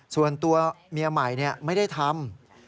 ส่วนตัวเมียใหม่ไม่ได้ทำ